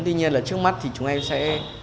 tuy nhiên là trước mắt thì chúng em sẽ